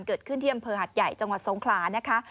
เกิดขึ้นที่อำเภอหัดใหญ่จังหวัดสงขลานะคะ